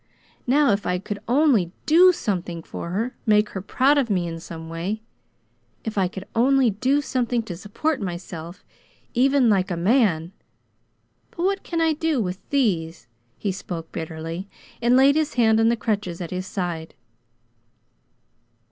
Now if I could only DO something for her make her proud of me in some way! If I could only do something to support myself, even, like a man! But what can I do, with these?" He spoke bitterly, and laid his hand on the crutches at his side.